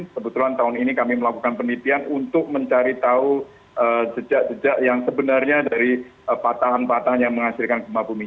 kebetulan tahun ini kami melakukan penelitian untuk mencari tahu jejak jejak yang sebenarnya dari patahan patahan yang menghasilkan gempa bumi